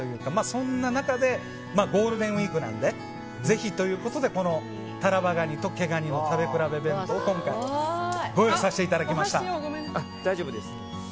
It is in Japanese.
そんな中でゴールデンウィークなのでぜひということでたらば毛がに食べくらべ弁当をご用意させていただきました。